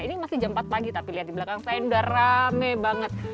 ini masih jam empat pagi tapi lihat di belakang saya udah rame banget